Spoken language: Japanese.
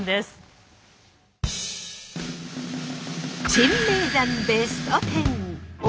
珍名山ベストテン！